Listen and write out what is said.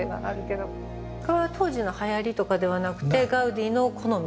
これは当時のはやりとかではなくてガウディの好み？